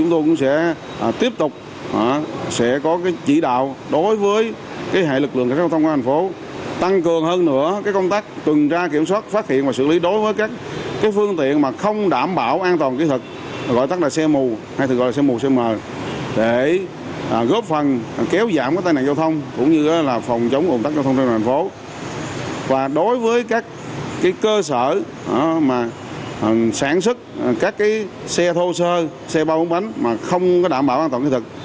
và đối với các cơ sở sản xuất các xe thô sơ xe bao bóng bánh mà không đảm bảo an toàn thiết thực